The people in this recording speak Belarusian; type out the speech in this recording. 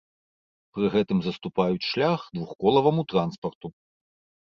Пры гэтым заступаюць шлях двухколаваму транспарту.